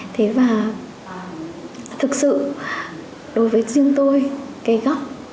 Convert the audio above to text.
thực sự đối với riêng tôi cái góc